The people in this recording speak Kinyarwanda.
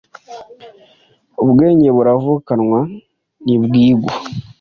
Ubwenge buravukanwa, ntibwigwa.’’